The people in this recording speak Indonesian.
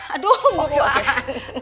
aduh mau ruangan